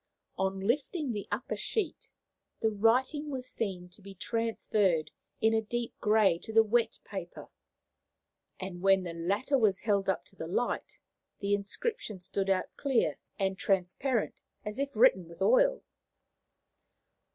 On lifting the upper sheet, the writing was seen to be transferred in a deep grey to the wet paper, and when the latter was held up to the light the inscription stood out clear and transparent as if written with oil.